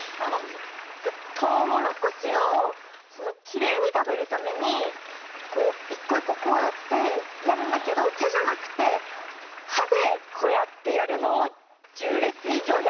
とうもろこしをきれいに食べるためにこう一個一個こうやってやるんだけど手じゃなくて歯でこうやってやるのを１０列以上やる人。